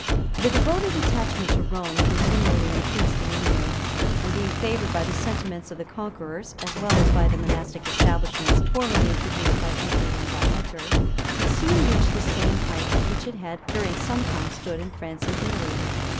The devoted attachment to Rome continually increased in England and being favored by the sentiments of the conquerors, as well as by the monastic establishments formerly introduced by Edred and by Edgar, it soon reached the same height at which it had, during some time, stood in France and Italy.